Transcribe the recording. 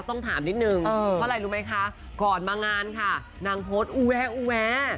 ต้องถามนิดหนึ่งว่าอะไรรู้ไหมคะก่อนมางานค่ะนางโพนไอ้